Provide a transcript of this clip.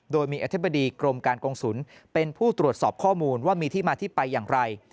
โดยมีอธิบดีกรมการกงศูนย์เป็นผู้ตรวจสอบข้อมูลว่ามีที่มาที่ไปอย่างไร